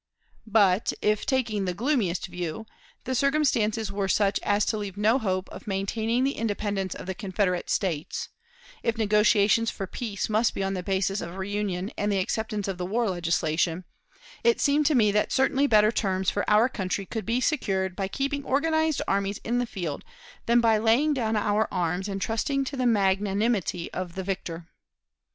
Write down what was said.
But if, taking the gloomiest view, the circumstances were such as to leave no hope of maintaining the independence of the Confederate States if negotiations for peace must be on the basis of reunion and the acceptance of the war legislation it seemed to me that certainly better terms for our country could be secured by keeping organized armies in the field than by laying down our arms and trusting to the magnanimity of the victor.